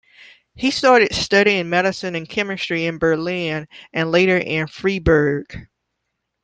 He started studying medicine and chemistry in Berlin and later in Freiburg.